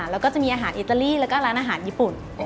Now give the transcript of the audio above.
แล้วก็จะมีอาหารอิตาลีแล้วก็ร้านอาหารญี่ปุ่น